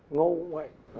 ngô cũng vậy